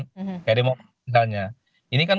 kayak demokrasinya ini kan